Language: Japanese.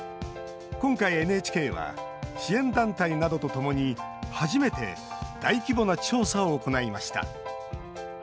今回、ＮＨＫは支援団体などと共に初めて大規模な調査を行いました。